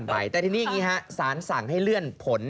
แต่ที่นี้ศาลสั่งให้เลื่อนผล